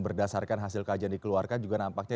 berdasarkan hasil kajian dikeluarkan juga nampaknya